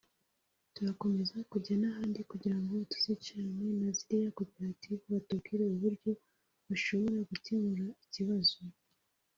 turakomeza kujya n’ahandi kugira ngo tuzicarane na ziriya koperative batubwire uburyo bashobora gukemura ikibazo